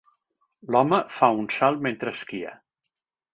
L'home fa un salt mentre esquia.